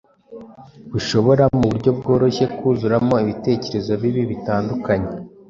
bushobora mu buryo bworoshye kuzuramo ibitekerezo bibi bitandukanye.